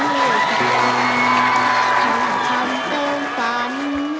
ที่ทำต้องกัน